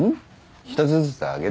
一つずつあげる。